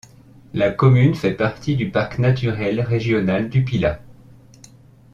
La commune fait partie du parc naturel régional du Pilat.